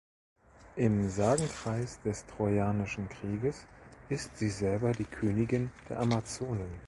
Im Sagenkreis des Trojanischen Krieges ist sie selber die Königin der Amazonen.